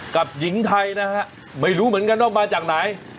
กับหญิงไทยนะฮะไม่รู้เหมือนกันว่ามาจากไหน